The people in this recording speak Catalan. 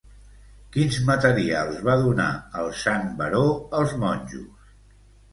Quins materials va donar el sant baró als monjos?